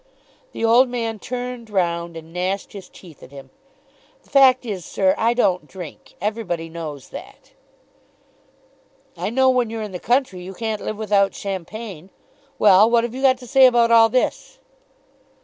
The old man turned round and gnashed his teeth at him. "The fact is, sir, I don't drink. Everybody knows that." "I know when you're in the country you can't live without champagne. Well; what have you got to say about all this?"